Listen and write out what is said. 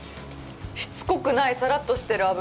しつこくない、さらっとしてる、脂。